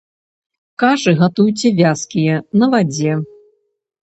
Кашы гатуйце вязкія, на вадзе.